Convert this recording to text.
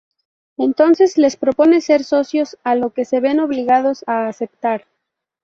Entonces, les propone ser socios, a lo que se ven obligados a aceptar.